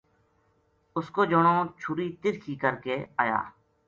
اس کو جنو چھری تِرِکھی کر کے ایا